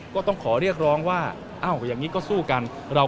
ก็ต้องขอเรียกร้องว่าอ้าวอย่างนี้ก็สู้กัน